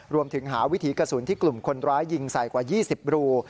รวมถึงหาวิถีกระสุนที่กลุ่มคนร้ายยิงใส่กว่า๒๐รู